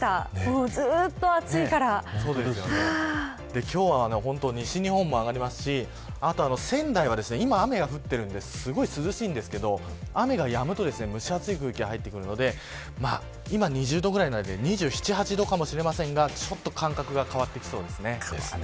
そうだったんですね忘れちゃってました今日は、西日本も上がりますし仙台は今、雨が降っているので涼しいんですが、雨がやむと蒸し暑い空気が入ってくるので今２０度くらいで２７、２８度かもしれませんが感覚が変わってきそうですね。